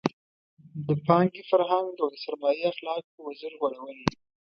د پانګې فرهنګ او د سرمایې اخلاقو وزر غوړولی.